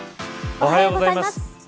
おはようございます。